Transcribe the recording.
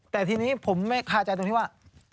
แต่ทีนี้ผมไม่คาใจตรงที่ว่า